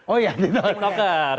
oh iya tiktoker